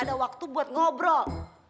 ada waktu buat ngobrol